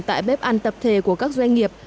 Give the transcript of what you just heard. tại bếp ăn tập thể của các doanh nghiệp